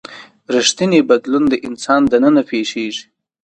ریښتینی بدلون د انسان دننه پیښیږي.